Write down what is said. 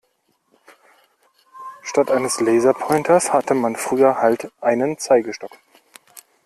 Statt eines Laserpointers hatte man früher halt einen Zeigestock.